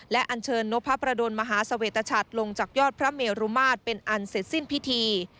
และอันเชิญนพประดนมหาเสวตชัดลงจากยอดพระเมรุมาตรเป็นอันเสร็จสิ้นพิธี